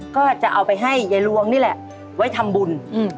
ก็จะเอาไปให้ยายลวงนี่แหละไว้ทำบุญ